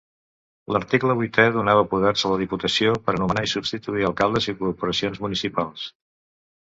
L'article vuitè donava poders a la Diputació per nomenar i substituir alcaldes i corporacions municipals.